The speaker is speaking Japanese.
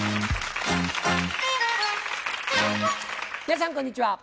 皆さんこんにちは。